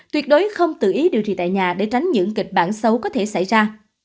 tuyệt đối không tự ý điều trị tại nhà để tránh những kịch bản xấu có thể xảy ra